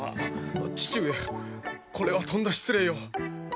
父上これはとんだ失礼を。